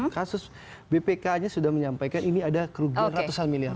kasus bpk nya sudah menyampaikan ini ada kerugian ratusan miliar